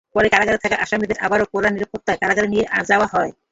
পরে কারাগারে থাকা আসামিদের আবারও কড়া নিরাপত্তায় কারাগারে নিয়ে যাওয়া হয়।